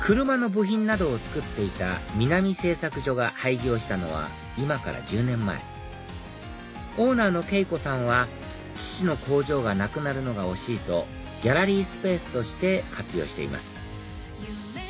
車の部品などを作っていた南製作所が廃業したのは今から１０年前オーナーの惠子さんは父の工場がなくなるのが惜しいとギャラリースペースとして活用しています